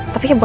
tapi ya buat